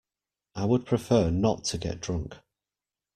I would prefer not to get drunk.